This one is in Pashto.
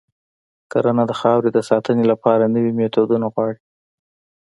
کرنه د خاورې د ساتنې لپاره نوي میتودونه غواړي.